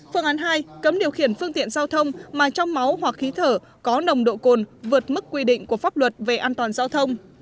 phương án hai cấm điều khiển phương tiện giao thông mà trong máu hoặc khí thở có nồng độ cồn vượt mức quy định của pháp luật về an toàn giao thông